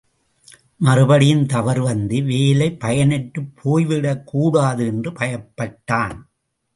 மறுபடியும் தவறு வந்து வேலை பயனற்றுப் போய்விடக் கூடாது என்று பயப்பட்டான்.